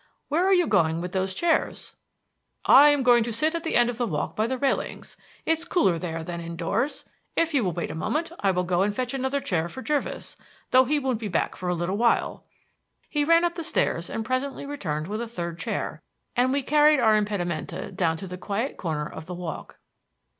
Where are you going with those chairs?" "I am going to sit down at the end of the Walk by the railings. It's cooler there than indoors. If you will wait a moment I will go and fetch another chair for Jervis, though he won't be back for a little while." He ran up the stairs, and presently returned with a third chair, and we carried our impedimenta down to the quiet corner of the Walk.